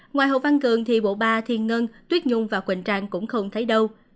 ngoài hồ văn cường thì bộ ba thiên ngân tuyết nhung và quỳnh trang cũng không thấy đâu